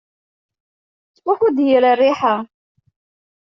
Tettfuḥu-d yir rriḥa.